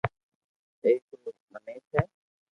ايڪ رو منيس ھي